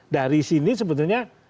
dari sini sebetulnya